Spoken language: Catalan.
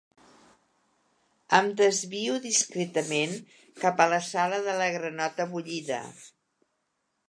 Em desvio discretament cap a la sala de la granota bullida.